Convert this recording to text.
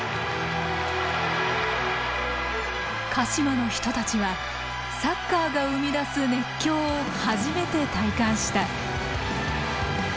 鹿嶋の人たちはサッカーが生み出す「熱狂」を初めて体感した。